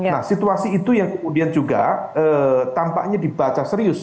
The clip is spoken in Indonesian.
nah situasi itu yang kemudian juga tampaknya dibaca serius